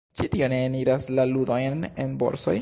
Ĉi tio ne eniras la ludojn en borsoj.